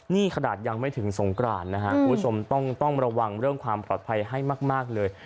นี่ขนาดยังไม่ถึงสงกรานนะครับคุณผู้ชมต้องระวังเรื่องความปลอดภัยให้มากเลย